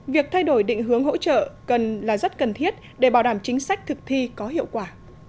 việc thay đổi định hướng hỗ trợ cần là rất cần thiết để bảo đảm chính sách thực thi có hiệu quả